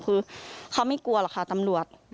คือเขาไม่กลัวหรอกค่ะตำรวจ